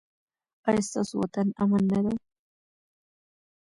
ایا ستاسو وطن امن نه دی؟